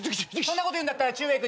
そんなこと言うんだったらちゅうえい